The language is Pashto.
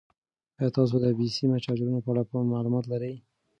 ایا تاسو د بې سیمه چارجرونو په اړه معلومات لرئ؟